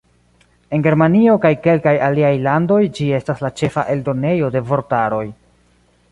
En Germanio kaj kelkaj aliaj landoj ĝi estas la ĉefa eldonejo de vortaroj.